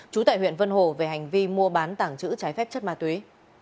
trú tại huyện vân hồ về hành vi mua bán tảng chữ trái phép chất ma túy